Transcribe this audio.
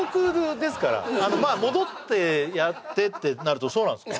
まあ戻ってやってってなるとそうなんすか？